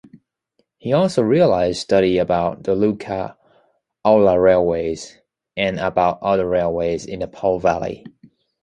He also realized studies about the Lucca-Aulla railway, and about other railways in the Po Valley.